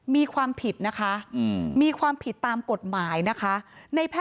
มีความผิดนะคะ